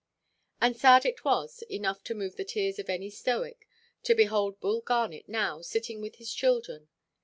And sad it was, enough to move the tears of any Stoic, to behold Bull Garnet now sitting with his children.